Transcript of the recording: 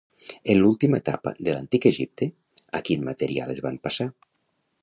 En l'última etapa de l'Antic Egipte, a quin material es van passar?